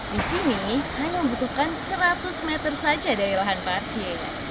di sini hanya membutuhkan seratus meter saja dari lahan parkir